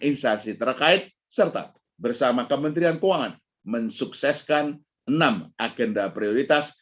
instansi terkait serta bersama kementerian keuangan mensukseskan enam agenda prioritas